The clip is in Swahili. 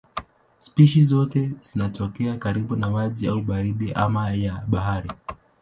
Spishi zote zinatokea karibu na maji ama baridi ama ya bahari.